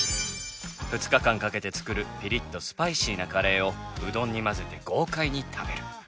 ２日間かけて作るピリッとスパイシーなカレーをうどんに混ぜて豪快に食べる！